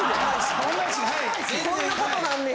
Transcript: こんなことなんねや。